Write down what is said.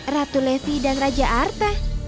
ratu levi dan raja arta